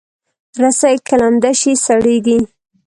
رسۍ که لمده شي، سړېږي.